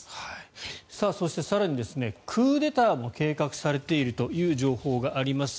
そして更にクーデターも計画されているという情報があります。